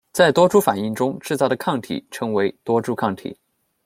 在多株反应中制造的抗体称为多株抗体。